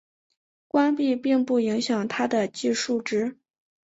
关闭并不影响它的计数值。